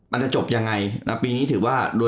มันจะจบยังไงแล้วปีนี้ถือว่า